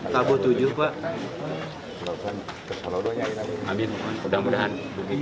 tabu tujuh pak